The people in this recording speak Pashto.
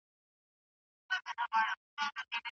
د افغانستان بهرنیو تګلاره د اقتصادي ودې ملاتړ نه کوي.